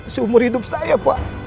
seumur hidup saya pak